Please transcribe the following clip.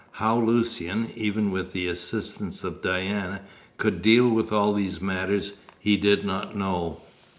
How Lucian, even with the assistance of Diana, could deal with all these matters, he did not know.